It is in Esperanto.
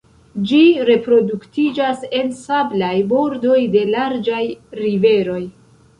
Ĝi reproduktiĝas en sablaj bordoj de larĝaj riveroj.